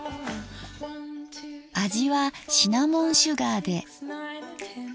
味はシナモンシュガーで。